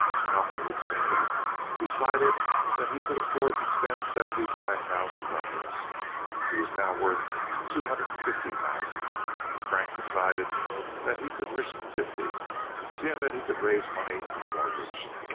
Cowperwood, Sr., decided that he could afford to spent seventy five thousand dollars—he was now worth two hundred and fifty thousand; and Frank decided that he could risk fifty, seeing that he could raise money on a mortgage.